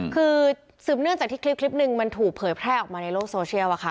คือสืบเนื่องจากที่คลิปหนึ่งมันถูกเผยแพร่ออกมาในโลกโซเชียลอะค่ะ